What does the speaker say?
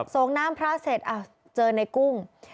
ส่งน้ำพระเสร็จเจอในกุ้ง